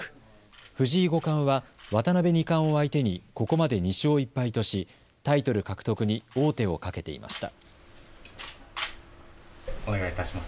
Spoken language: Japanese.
藤井五冠は渡辺二冠を相手にここまで２勝１敗とし、タイトル獲得に王手をかけていました。